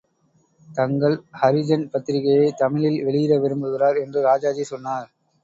தங்கள் ஹரிஜன் பத்திரிகையைத் தமிழில் வெளியிட விரும்புகிறார். என்று ராஜாஜி சொன்னார்.